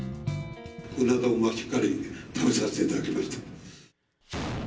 うな丼はしっかり食べさせていただきました。